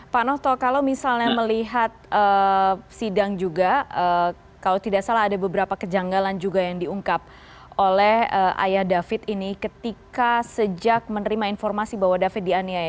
pak noto kalau misalnya melihat sidang juga kalau tidak salah ada beberapa kejanggalan juga yang diungkap oleh ayah david ini ketika sejak menerima informasi bahwa david dianiaya